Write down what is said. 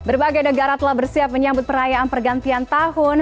berbagai negara telah bersiap menyambut perayaan pergantian tahun